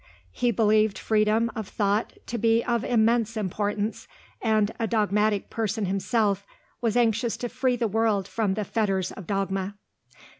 He believed freedom of thought to be of immense importance, and, a dogmatic person himself, was anxious to free the world from the fetters of dogma.